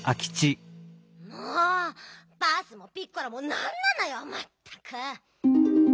もうバースもピッコラもなんなのよまったく！